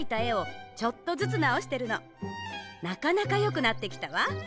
なかなかよくなってきたわ。